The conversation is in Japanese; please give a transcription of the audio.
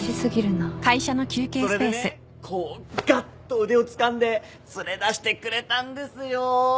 それでねこうがっと腕をつかんで連れ出してくれたんですよ。